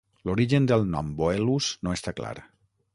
L'origen del nom Boelus no està clar.